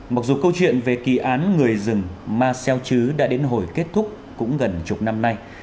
mặc dù câu chuyện về kỳ án người rừng ma xeo chứ đã đến hồi kết thúc cũng gần chục năm nay